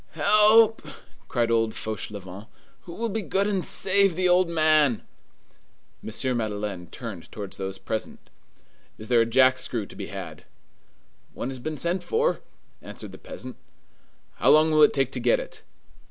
"Help!" cried old Fauchelevent. "Who will be good and save the old man?" M. Madeleine turned towards those present:— "Is there a jack screw to be had?" "One has been sent for," answered the peasant. "How long will it take to get it?"